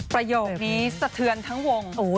ประโยคนี้สะเทือนทั้งวง